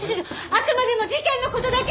あくまでも事件の事だけよ！